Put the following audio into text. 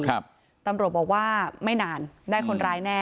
ตำรวจบอกว่าไม่นานได้คนร้ายแน่